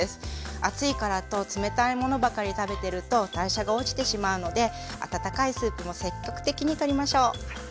暑いからと冷たいものばかり食べてると代謝が落ちてしまうので温かいスープも積極的にとりましょう。